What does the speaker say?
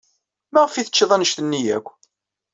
Maɣef ay teččid anect-nni akk?